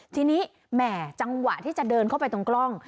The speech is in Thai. ทีนี้แหม่จังหวะที่จะเดินเข้าไปตรงกล้อง